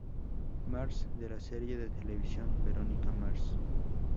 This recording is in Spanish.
Mars", de la serie de televisión "Veronica Mars".